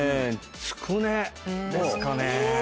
つくねですかね